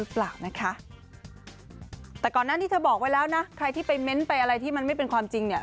เปล่านะคะแต่ก่อนหน้านี้เธอบอกไว้แล้วนะใครที่ไปเม้นต์ไปอะไรที่มันไม่เป็นความจริงเนี่ย